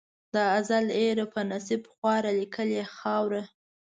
د ازل هېره په نصیب خواره لیکلې خاوره